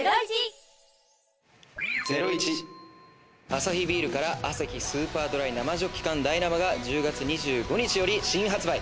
アサヒビールからアサヒスーパードライ生ジョッキ缶大生が１０月２５日より新発売。